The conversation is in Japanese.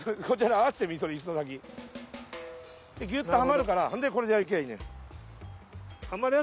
ギュッとはまるからほんでこれでやればいいのよ。